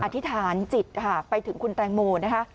ธิษฐานจิตค่ะไปถึงคุณแตงโมนะคะ